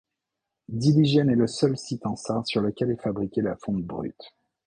Dillingen est le seul site en Sarre sur lequel est fabriquée la fonte brute.